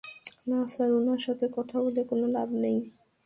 না, স্যার, উনার সাথে কথা বলে কোনো লাভ নেই।